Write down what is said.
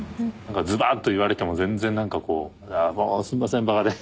ズバッと言われても全然なんかこうすいませんバカで。